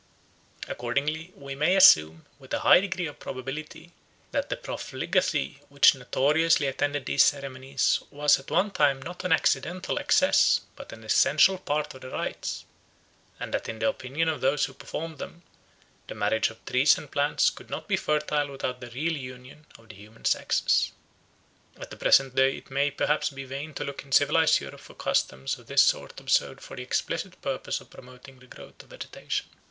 Accordingly we may assume with a high degree of probability that the profligacy which notoriously attended these ceremonies was at one time not an accidental excess but an essential part of the rites, and that in the opinion of those who performed them the marriage of trees and plants could not be fertile without the real union of the human sexes. At the present day it might perhaps be vain to look in civilised Europe for customs of this sort observed for the explicit purpose of promoting the growth of vegetation.